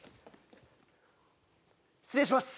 失礼します